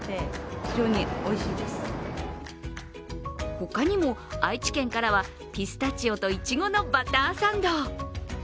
ほかにも、愛知県からはピスタチオと苺のバターサンド。